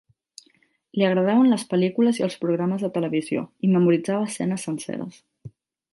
Li agradaven les pel·lícules i els programes de televisió i memoritzava escenes senceres.